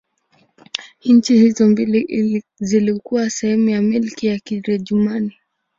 Nchi hizo mbili zilikuwa sehemu ya Milki ya Kijerumani.